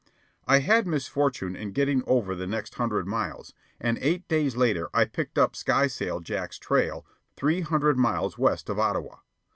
I had misfortune in getting over the next hundred miles, and eight days later I picked up Skysail Jack's trail three hundred miles west of Ottawa.